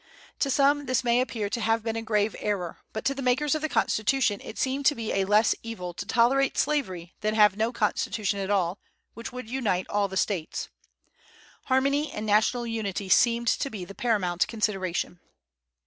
To some this may appear to have been a grave error, but to the makers of the Constitution it seemed to be a less evil to tolerate slavery than have no Constitution at all, which would unite all the States. Harmony and national unity seemed to be the paramount consideration.